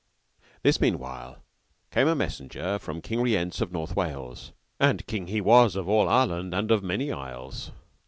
This meanwhile came a messenger from King Rience of North Wales, and king he was of all Ireland, and of many isles.